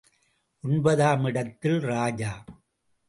ஒன்பதாம் இடத்தில் ராஜா.